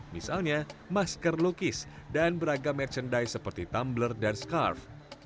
misalnya masker lukis dan beragam merchandise seperti tumbler dan scarf